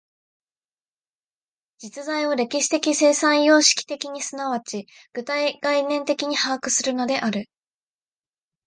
実在を歴史的生産様式的に即ち具体概念的に把握するのである。